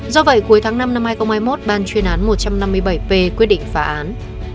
do vậy cuối tháng năm năm hai nghìn hai mươi một ban chuyên án một trăm năm mươi bảy p quyết định phá án